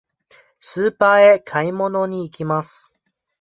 スーパーへ買い物に行きます。